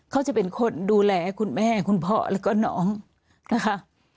เขาจะเป็นคนดูแลคุณแม่คุณพ่อแล้วก็น้องนะคะ